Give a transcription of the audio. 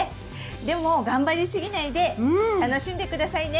でも頑張りすぎないで楽しんで下さいね！